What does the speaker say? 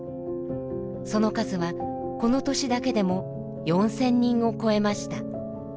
その数はこの年だけでも４，０００人を超えました。